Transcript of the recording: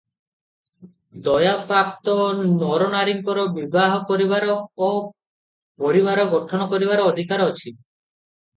ଦୟା ପ୍ରାପ୍ତ ନରନାରୀଙ୍କର ବିବାହ କରିବାର ଓ ପରିବାର ଗଠନ କରିବାର ଅଧିକାର ଅଛି ।